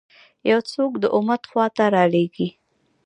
یو څوک د امت خوا ته رالېږي.